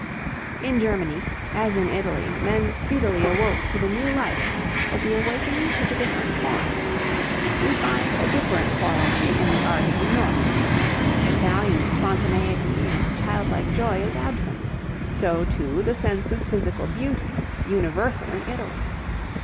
In Germany, as in Italy, men speedily awoke to the new life, but the awakening took a different form. We find a different quality in the art of the north. Italian spontaneity and child like joy is absent; so, too, the sense of physical beauty, universal in Italy.